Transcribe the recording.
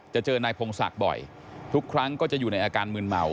เจอนายพงศักดิ์บ่อยทุกครั้งก็จะอยู่ในอาการมืนเมา